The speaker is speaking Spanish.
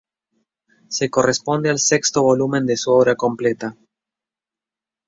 Se corresponde al sexto volumen de su Obra completa.